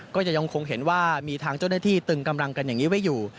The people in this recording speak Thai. ยังคงเห็นว่ามีทางเจ้าหน้าที่ตึงกำลังกันอย่างนี้ไว้อยู่